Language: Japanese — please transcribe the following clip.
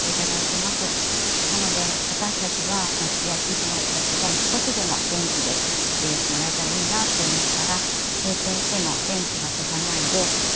なので私たちは町や地域の方たちが少しでも元気でいてもらえたらいいなという思いから閉店しても電気は消さないで明かりをともして帰ってます。